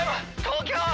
東京！